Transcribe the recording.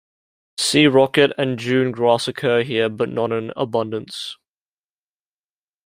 Sea rocket and dune grass occur here, but not in abundance.